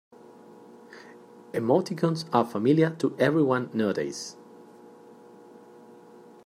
Emoticons are familiar to everyone nowadays.